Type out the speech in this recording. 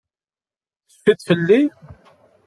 Tecfiḍ fell-i?